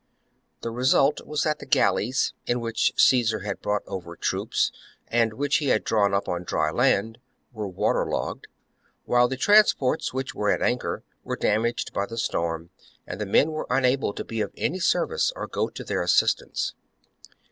^ The result was that the galleys, in which Caesar had brought over troops, and which he had drawn up on dry land, were waterlogged, while the transports, which were at anchor, were damaged by the storm, and the men were unable to be of any service or go to their assistance.